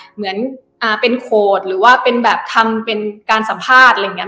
เหมือนเป็นโขดหรือว่าเป็นแบบทำเป็นการสัมภาษณ์อะไรอย่างนี้